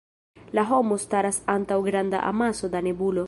La homo staras antaŭ granda amaso da nebulo.